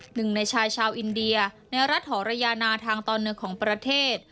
หนึ่งในชายชาวอินเดียในรัฐหอระยานาทางตอนเหนือของประเทศ